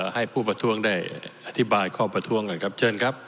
ให้ผู้ประท้วงได้อธิบายข้อประท้วงกันครับเชิญครับ